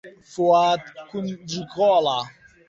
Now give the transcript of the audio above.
فواد کونجکۆڵە.